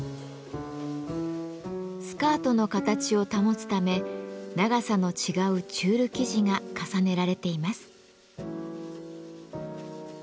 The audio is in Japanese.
スカートの形を保つため長さの違うチュール生地が重ねられています。